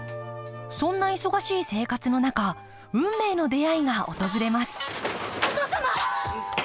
そんな忙しい生活の中運命の出会いが訪れますお父様！